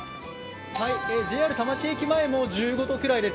ＪＲ田町駅前も１５度くらいです。